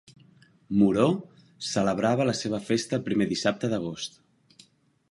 Moror celebrava la seva festa el primer dissabte d'agost.